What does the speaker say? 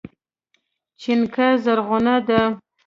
چينکه زرغونه ده